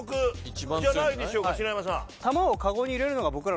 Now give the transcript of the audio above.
篠山さん。